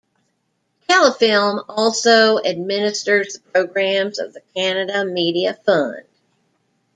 Telefilm also administers the programs of the Canada Media Fund.